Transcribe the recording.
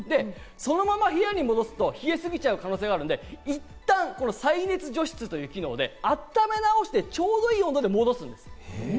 そのまま部屋に戻すと冷え過ぎちゃう可能性があるので、いったん再熱除湿という機能で暖め直して、ちょうどいい温度で戻すんです。